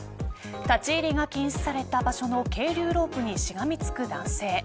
立ち入りが禁止された場所の係留ロープにしがみつく男性。